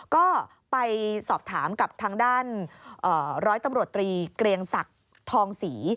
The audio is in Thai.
ก็ไปสอบถามกับทางด้านร้อยตำรวจตรีเกรียงศักดิ์ทองศรี